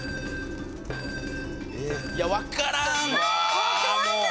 いやわからん！